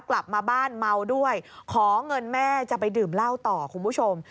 กลับมาบ้านเมาด้วยขอเงินแม่จะไปดื่มเหล้าต่อคุณผู้ชม